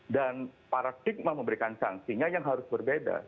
dan paradigma memberikan sanksinya yang harus berbeda